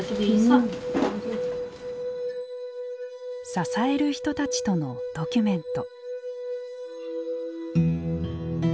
支える人たちとのドキュメント。